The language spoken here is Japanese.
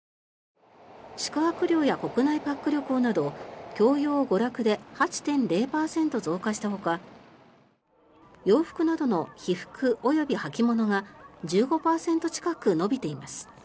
宿泊料や国内パック旅行など教養娯楽で８．０％増加したほか洋服などの被服及び履物が１５％近く伸びています。